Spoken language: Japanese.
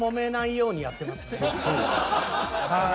そうなんですはい。